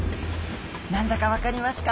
何だかわかりますか？